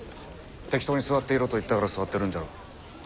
適当に座っていろと言ったから座ってるんじゃろ。